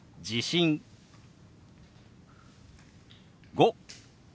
「５」。